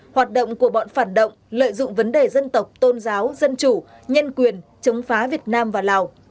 hoạt động của bọn phản động lợi dụng vấn đề dân tộc tôn giáo dân chủ nhân quyền chống phá việt nam và lào